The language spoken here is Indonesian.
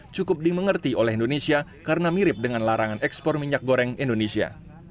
cukup dimengerti oleh indonesia karena mirip dengan larangan ekspor minyak goreng indonesia